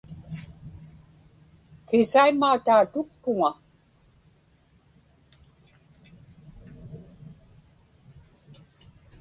Kiisaimmaa tautukpuŋa.